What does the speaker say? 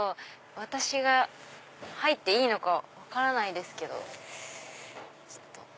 私が入っていいのか分からないですけど。